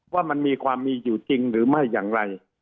ว่ามันมีความมีอยู่จริงหรือไม่อย่างไร